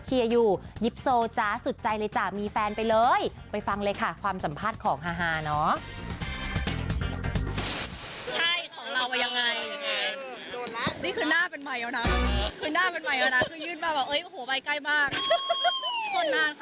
เดี๋ยวจะมีไม่ใช่พูดไว้ก่อนให้มันเป็นรัก